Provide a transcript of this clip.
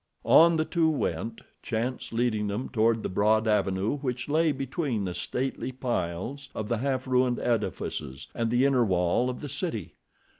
On the two went, chance leading them toward the broad avenue which lay between the stately piles of the half ruined edifices and the inner wall of the city.